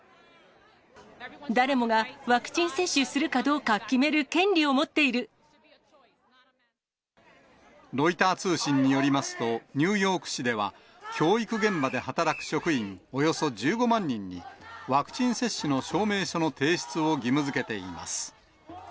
誰もがワクチン接種するかどロイター通信によりますと、ニューヨーク市では、教育現場で働く職員およそ１５万人に、ワクチン接種の証明書の提出を義務づけています。